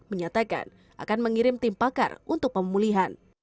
menyatakan akan mengirim tim pakar untuk pemulihan